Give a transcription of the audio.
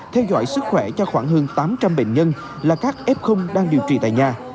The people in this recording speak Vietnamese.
theo dõi sức khỏe cho khoảng hơn tám trăm linh bệnh nhân là các f đang điều trị tại nhà